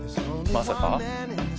まさか？